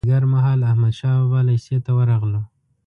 مازیګر مهال احمدشاه بابا لېسې ته ورغلو.